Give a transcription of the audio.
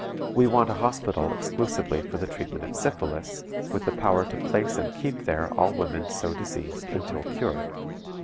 We want a hospital exclusively for the treatment of syphilis, with the power to place and keep there all women so diseased until cured.